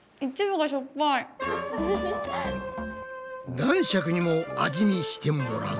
男爵にも味見してもらうと。